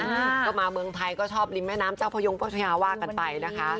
ก็มาเมืองไทยก็ชอบริมแม่น้ำเจ้าพยงพัทยาว่ากันไปนะคะ